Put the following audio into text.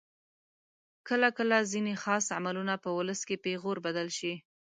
کله کله ځینې خاص عملونه په ولس کې پیغور بدل شي.